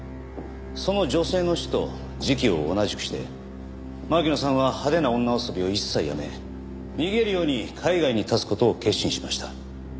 その女性の死と時期を同じくして巻乃さんは派手な女遊びを一切やめ逃げるように海外に発つ事を決心しました。